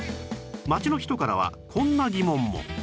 街の人からはこんな疑問も